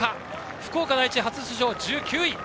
福岡第一、初出場で１９位。